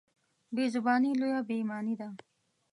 بېزباني لویه بېايماني ده.